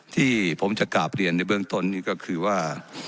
ที่ผมจะกราบเรียนในเบื้องต้นนี่ก็คือว่า